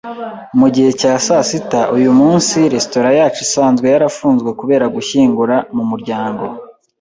Mugihe cya sasita uyumunsi, resitora yacu isanzwe yarafunzwe kubera gushyingura mumuryango